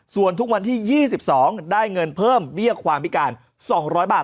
ส่วนทุกวันที่๒๒ได้เงินเพิ่มเบี้ยความพิการ๒๐๐บาท